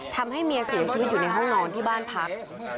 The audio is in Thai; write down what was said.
ทำให้เมียเสียชีวิตอยู่ในห้องนอนที่บ้านพัก